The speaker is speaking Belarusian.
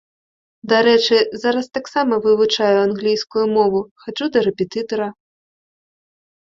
Дарэчы, зараз таксама вывучаю англійскую мову, хаджу да рэпетытара.